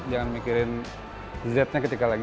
jangan mikirin z nya ketika lagi